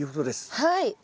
はい。